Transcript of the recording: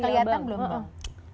udah kelihatan belum bang